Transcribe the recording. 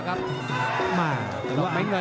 ติดตามยังน้อยกว่า